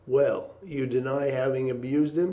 Well, you deny having abused him.